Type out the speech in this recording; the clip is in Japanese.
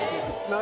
何？